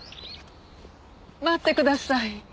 待ってください。